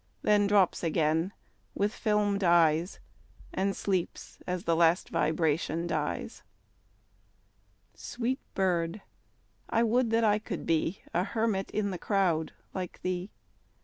Then drops again with fdmed eyes, And sleeps as the last vibration dies. a (89) Sweet bird ! I would that I could be A hermit in the crowd like thee